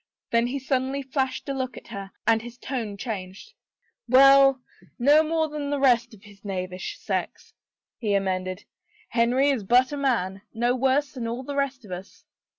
Then he suddenly flashed a look at her and his tone changed. Well, no more than the rest of his knavish sex/' he amended. " Henry is but a man — no worse than all the rest of us."